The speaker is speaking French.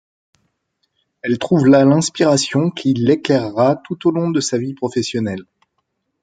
Elle trouve là, l'inspiration qui l’éclairera tout au long de sa vie professionnelle.